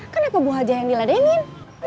kan apa bu hajah yang diladenin